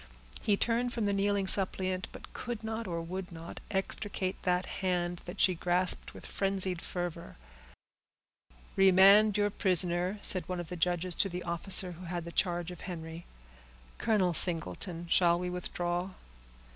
He turned from the kneeling suppliant, but could not, or would not, extricate that hand that she grasped with frenzied fervor. "Remand your prisoner," said one of the judges to the officer who had the charge of Henry. "Colonel Singleton, shall we withdraw?"